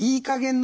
な